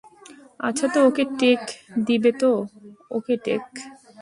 আচ্ছা তো ওকে টেক দিবে তো, - ওকে টেক।